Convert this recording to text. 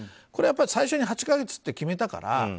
これは、やっぱり最初に８か月と決めたから。